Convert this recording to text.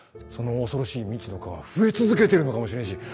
その恐ろしい未知の蚊は増え続けてるのかもしれんし